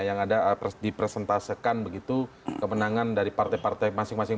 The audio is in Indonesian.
yang ada dipresentasekan begitu kemenangan dari partai partai masing masing